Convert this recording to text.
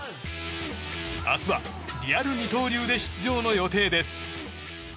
明日は、リアル二刀流で出場の予定です。